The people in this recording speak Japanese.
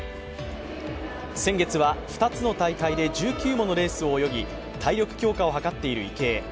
先月は２つの大会で１９ものレースを泳ぎ体力強化を図っている池江。